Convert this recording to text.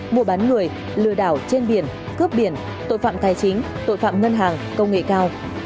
mua bán người lừa đảo trên biển cướp biển tội phạm tài chính tội phạm ngân hàng công nghệ cao